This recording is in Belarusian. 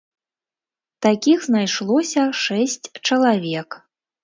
Такіх знайшлося шэсць чалавек.